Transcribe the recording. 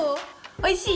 おいしい？